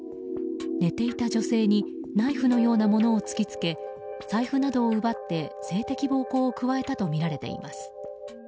寝ていた女性にナイフのようなものを突き付け財布などを奪って、性的暴行を加えたとみられています。